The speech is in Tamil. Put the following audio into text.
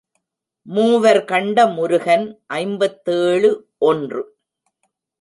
மூவர் கண்ட முருகன் ஐம்பத்தேழு ஒன்று.